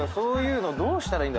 僕はどうしたらいいか。